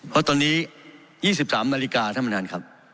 เพราะตอนนี้๒๓นาฬิกาท่านประธานครับ